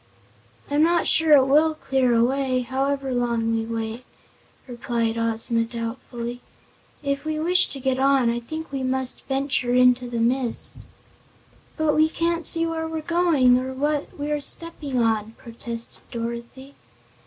"I'm not sure it will clear away, however long we wait," replied Ozma, doubtfully. "If we wish to get on, I think we must venture into the mist." "But we can't see where we're going, or what we're stepping on," protested Dorothy.